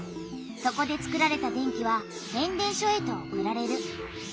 そこでつくられた電気は変電所へと送られる。